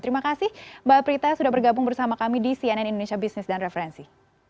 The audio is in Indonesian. terima kasih mbak prita sudah bergabung bersama kami di cnn indonesia business dan referensi